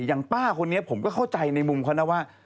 ยังว่าป้าคนนี้ผมก็เข้าใจในมุมคอนาว่า